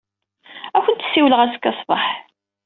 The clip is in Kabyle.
Ad akent-ssiwleɣ azekka ṣṣbeḥ.